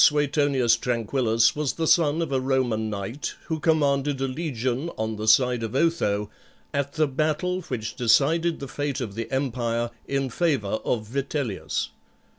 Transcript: Suetonius Tranquillus was the son of a Roman knight who commanded a legion, on the side of Otho, at the battle which decided the fate of the empire in favour of Vitellius.